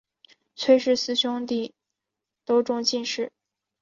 崔氏四兄弟都中进士。